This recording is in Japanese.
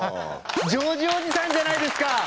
ジョージおじさんじゃないですか！